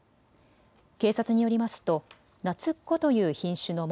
警察によりますとなつっこという品種の桃